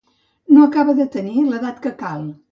No acaba de tenir l'edat que cal.